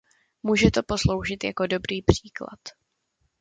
Může to posloužit jako dobrý příklad.